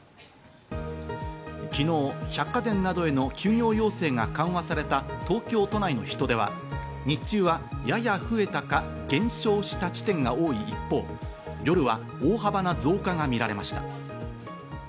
昨日、百貨店などへの休業要請が緩和された東京都内の人出は、日中は、やや増えたか減少した地点が多い一方、夜は大幅な増加がみられました。